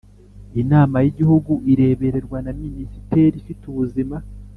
Inama y Igihugu irebererwa na Minisiteri ifite ubuzima